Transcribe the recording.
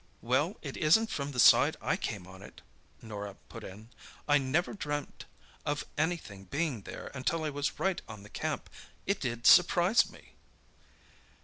"Well, it isn't from the side I came on it," Norah put in; "I never dreamed of anything being there until I was right on the camp. It did surprise me!"